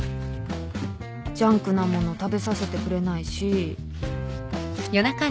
ジャンクな物食べさせてくれないし。